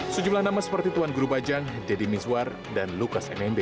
sejumlah nama seperti tuan guru bajang deddy mizwar dan lukas nmb